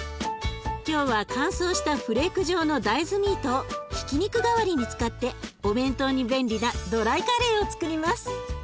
今日は乾燥したフレーク状の大豆ミートをひき肉代わりに使ってお弁当に便利なドライカレーをつくります。